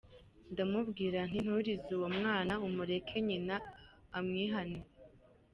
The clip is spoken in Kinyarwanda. Ndamubwira nti, ’nturize uwo mwana, umureke nyina amwihanire.